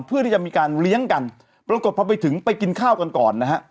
เพื่อที่จะมีการเลี้ยงกันปรากฏพอไปถึงไปกินข้าวกันก่อนนะฮะ